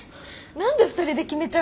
何で２人で決めちゃうの？